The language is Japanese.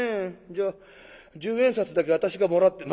じゃあ十円札だけ私がもらって」。